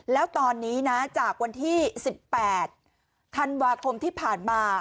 แล้วตอนนี้นะจากวันที่๑๘ธันวาคมที่ผ่านมา